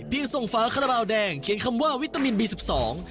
ส่งฝาคาราบาลแดงเขียนคำว่าวิตามินบีสิบสอง